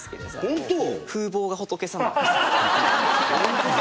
本当？